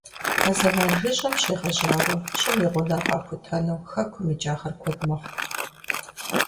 А зэман жыжьэм щегъэжьауэ щӀым и гъунэр къахутэну хэкум икӀахэр куэд мэхъу.